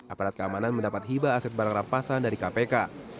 aparat keamanan mendapat hibah aset barang rampasan dari kpk